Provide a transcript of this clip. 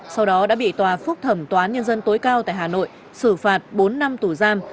sau đó đã bị tòa phúc thẩm tòa án nhân dân tối cao tại hà nội xử phạt bốn năm tù giam